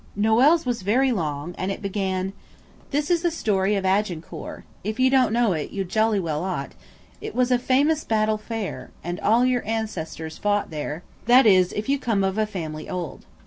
Noël's was very long, and it began– "This is the story of Agincourt. If you don't know it you jolly well ought. It was a famous battle fair, And all your ancestors fought there That is if you come of a family old.